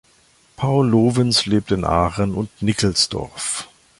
Paul Lovens lebt in Aachen und Nickelsdorf.